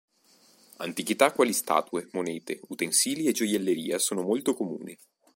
Antichità quali statue, monete, utensili e gioielleria sono molto comuni.